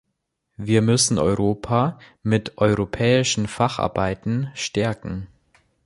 Wir müssen Europa mit europäischen Facharbeitern stärken.